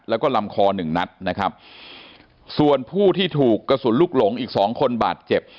แล้วก็ลำคอหนึ่งนัดนะครับส่วนผู้ที่ถูกกระสุนลูกหลงอีกสองคนบาดเจ็บ